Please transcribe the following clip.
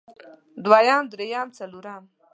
دويم درېيم څلورم